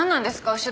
後ろ